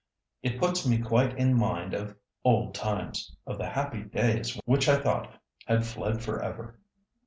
It puts me quite in mind of old times—of the happy days which I thought had fled for ever."